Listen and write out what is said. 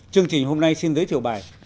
chương trình hôm nay xin giới thiệu bài